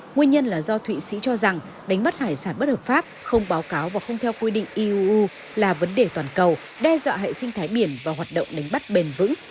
nguyên nhân là do thụy sĩ cho rằng đánh bắt hải sản bất hợp pháp không báo cáo và không theo quy định iuu là vấn đề toàn cầu đe dọa hệ sinh thái biển và hoạt động đánh bắt bền vững